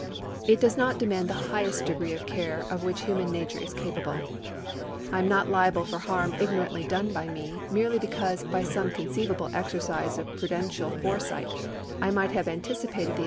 It does not de mand the highest degree of care of which human nature is capable. I am not liable for harm ignorantly done by me, merely because by some conceivable exercise of prudential foresight I might have anticipated the event and so avoided 1 Mucurthy v.